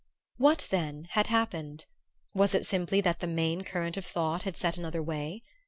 What then had happened? Was it simply that the main current of thought had set another way?